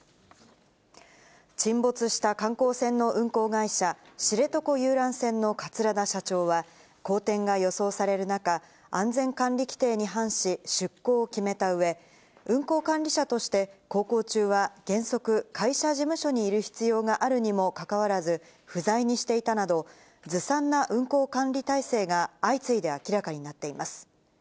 沈没した観光船の運航会社、知床遊覧船の桂田社長は、荒天が予想される中、安全管理規程に反し、出航を決めたうえ、運航管理者として、航行中は原則、会社事務所にいる必要があるにもかかわらず、不在にしていたなど、ずさんな運航管理体制が相次いで明らかになっています。